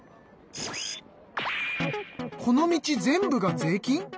この道全部が税金！？